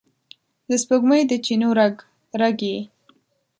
د سپوږمۍ د چېنو رګ، رګ یې،